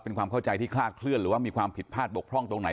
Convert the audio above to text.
เป็นความเข้าใจที่คลาดเคลื่อนหรือว่ามีความผิดพลาดบกพร่องตรงไหน